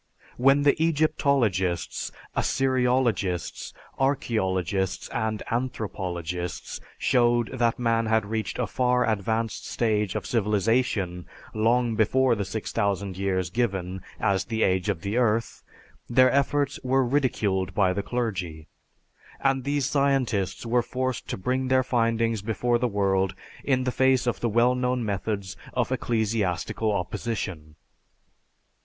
When the Egyptologists, Assyriologists, archeologists, and anthropologists showed that man had reached a far advanced stage of civilization long before the 6000 years given as the age of the earth, their efforts were ridiculed by the clergy, and these scientists were forced to bring their findings before the world in the face of the well known methods of ecclesiastical opposition.